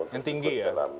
yang tinggi ya